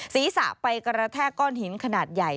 ศีรษะไปกระแทกก้อนหินขนาดใหญ่